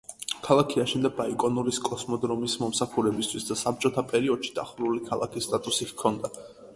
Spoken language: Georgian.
ქალაქი აშენდა ბაიკონურის კოსმოდრომის მომსახურებისთვის და საბჭოთა პერიოდში დახურული ქალაქის სტატუსი ჰქონდა.